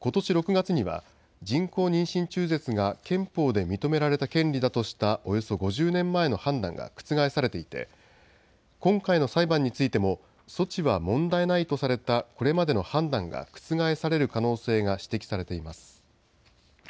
６月には人工妊娠中絶が憲法で認められた権利だとしたおよそ５０年前の判断が覆されていて今回の裁判についても措置は問題ないとされたこれまでの判断が覆される可能性が指摘されています。